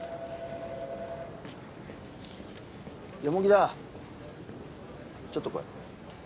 田ちょっと来い。